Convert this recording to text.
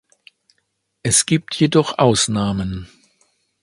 Es gibt jedoch Ausnahmen.